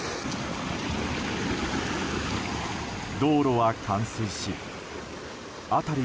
道路は冠水し辺り